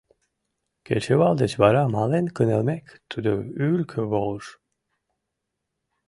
Кечывал деч вара мален кынелмек, тудо ӱлкӧ волыш.